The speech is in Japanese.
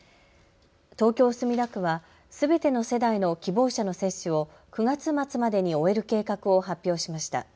東京墨田区は、すべての世代の希望者の接種を９月末までに終える計画を発表しました。